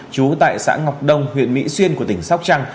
trú tại xã ngọc đông huyện mỹ xuyên của tỉnh sóc trăng